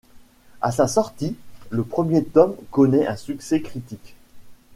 À sa sortie, le premier tome connait un succès critique.